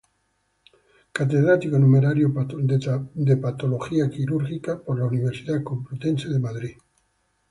Catedrático numerario Patología quirúrgica de la Universidad Complutense de Madrid.